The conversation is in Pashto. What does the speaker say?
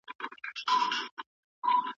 د ټولنیزو پدیدو په اړه ژور فکر وکړئ.